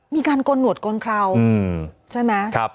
มีการกนหนวดกนเคลาใช่ไหมครับ